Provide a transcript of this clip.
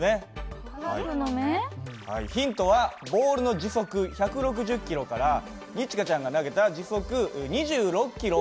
ヒントはボールの時速１６０キロから二千翔ちゃんが投げた時速２６キロを引いた残り。